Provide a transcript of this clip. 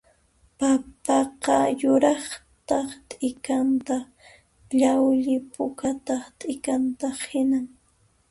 Papaqa yuraqta t'ikantaq llawli pukata t'ikantaq hinan